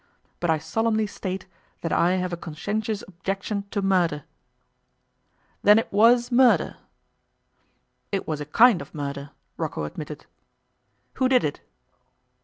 But I solemnly state that I have a conscientious objection to murder.' 'Then it was murder?' 'It was a kind of murder,' Rocco admitted. 'Who did it?